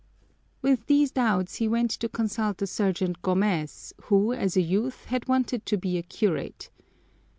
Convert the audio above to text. With these doubts he went to consult the sergeant Gomez, who, as a youth, had wanted to be a curate.